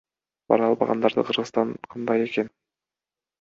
Бара албагандары Кыргызстан кандай экен?